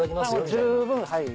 十分はい。